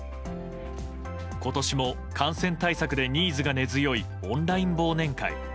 今年も感染対策でニーズが根強いオンライン忘年会。